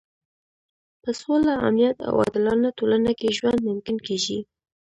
په سوله، امنیت او عادلانه ټولنه کې ژوند ممکن کېږي.